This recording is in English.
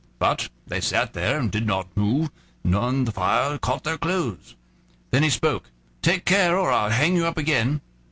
But they sat there and did not move, and the fire caught their clothes. Then he spoke: "Take care, or I'll hang you up again."